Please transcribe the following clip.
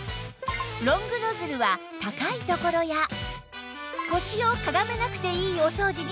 ロングノズルは高い所や腰をかがめなくていいお掃除にオススメ